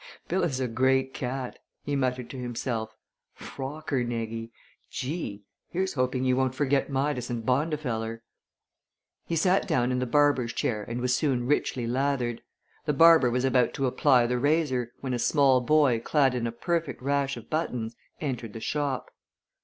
"Bill is a great cat," he muttered to himself. "Rockernegie! Gee! Here's hoping he won't forget Midas and Bondifeller." He sat down in the barber's chair and was soon richly lathered. The barber was about to apply the razor, when a small boy clad in a perfect rash of buttons entered the shop.